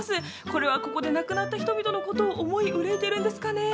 これはここで亡くなった人々のことを思い憂いてるんですかね